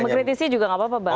mengkritisi juga gak apa apa bang